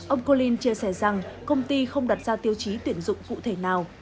ông colin chia sẻ rằng công ty không đặt ra tiêu chí tuyển dụng cụ thể nào